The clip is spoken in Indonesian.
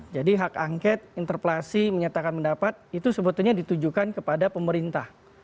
jadi hak angket interpelasi menyatakan pendapat itu sebetulnya ditujukan kepada pemerintah